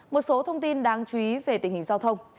một số thông tin đáng chú ý về tình hình giao thông